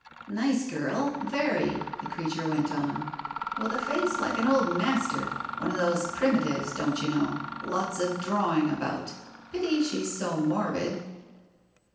"Nice girl, very," the creature went on. "With a face like an old master — one of those Primitives, don't you know ? Lots of drawing ^bout. Pity she's so morbid."